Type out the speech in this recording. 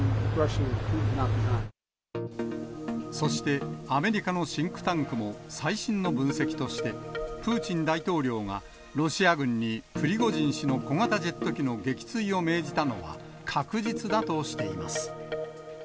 そしてアメリカのシンクタンクも、最新の分析として、プーチン大統領がロシア軍にプリゴジン氏の小型ジェット機の撃墜を命じたのは確実だとしています。